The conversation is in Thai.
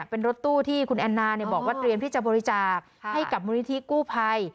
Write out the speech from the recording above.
เป็นรถตู้ที่คุณแอนนาบอกว่าเตรียมที่จะบริจาคให้กับมูลนิธิกู้ภัย